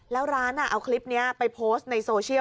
แล้วร้านเอาคลิปนี้ไปโพสต์ในโซเชียล